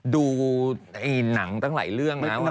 ดูหนังตั้งหลายเรื่องนะ